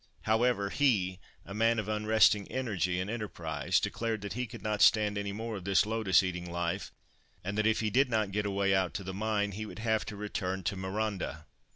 However, he, a man of unresting energy and enterprise, declared that he could not stand any more of this lotus eating life, and that if he did not get away out to the mine, he would have to return to Marondah.